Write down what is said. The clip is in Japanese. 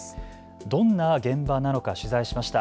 どんな現場なのか取材しました。